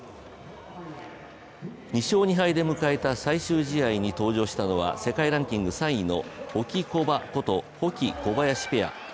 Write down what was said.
２勝２敗で迎えた最終試合に登場したのは世界ランキング３位のホキコバこと保木・小林ペア。